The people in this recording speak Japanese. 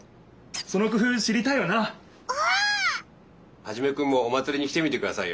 ハジメくんもお祭りに来てみてくださいよ。